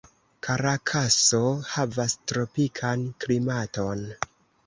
Karakaso havas tropikan klimaton.